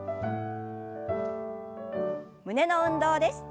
胸の運動です。